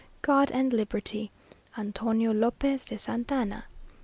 "God and Liberty. "ANTONIO LOPEZ DE SANTA ANNA.